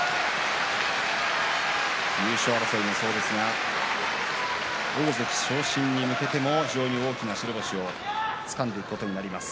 優勝争いも、そうですが大関昇進に向けても非常に大きな白星をつかんだことになります。